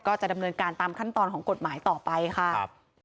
ก็จะดำเนินการตามขั้นตอนของกฎหมายต่อไปค่ะ